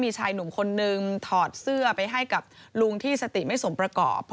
มีชายหนุ่มคนนึงถอดเสื้อไปให้กับลุงที่สติไม่สมประกอบ